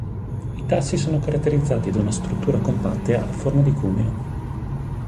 I tassi sono caratterizzati da una struttura compatta a forma di cuneo.